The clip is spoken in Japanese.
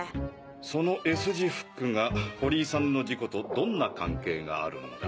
そのＳ字フックが堀井さんの事故とどんな関係があるんだ？